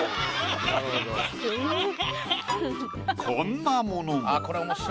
こんなものも。